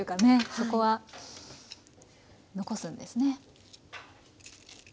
そこは残すんですね。